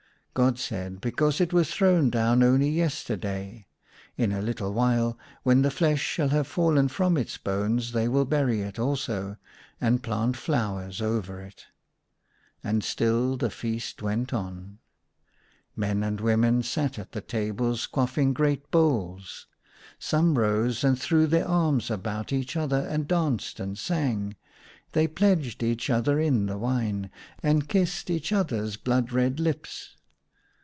God said, " Because it was thrown down only yesterday. In a little while, when the flesh shall have fallen from its bones, they will bury it also, and plant flowers over it." And still the feast went on. Men and women sat at the tables quaffing great bowls. Some rose, and threw their arms about each other, and danced and sang. They pledged each other in the wine, and kissed each other's blood red lips.